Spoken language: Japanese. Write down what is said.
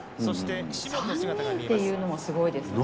３人っていうのもすごいですね。